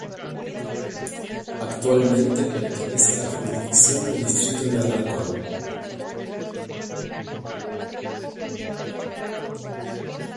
Actualmente pertenece a la jurisdicción del distrito de Alarcón.